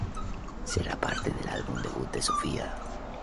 Sera parte del álbum debut de Sofia.